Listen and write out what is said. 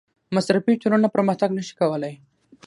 مصرفي ټولنه پرمختګ نشي کولی.